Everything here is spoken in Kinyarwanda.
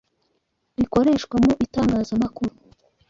rikoreshwa mu itangazamakuru.